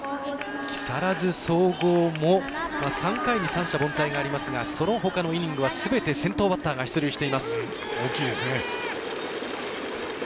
木更津総合も３回に三者凡退がありますがそのほかのイニングはすべて先頭バッターが出塁しています。